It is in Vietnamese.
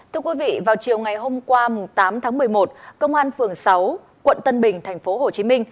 thưa quý vị vào chiều ngày hôm qua tám tháng một mươi một công an phường sáu quận tân bình tp hcm